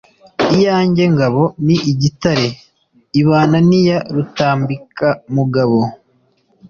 Iyanjye ngabo ni igitare ibana n’iya Rutambikamugabo.